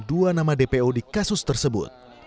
dua nama dpo di kasus tersebut